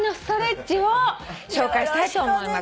紹介したいと思います。